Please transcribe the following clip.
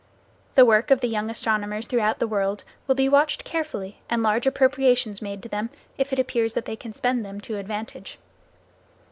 The work of the young astronomers throughout the world will be watched carefully and large appropriations made to them if it appears that they can spend them to advantage.